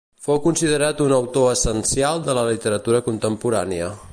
Fou considerat un autor essencial de la literatura contemporània.